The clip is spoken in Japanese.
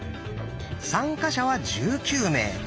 参加者は１９名。